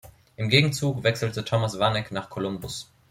Im Gegenzug wechselte Thomas Vanek nach Columbus.